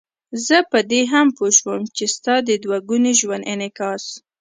زه په دې هم پوه شوم چې ستا د دوه ګوني ژوند انعکاس.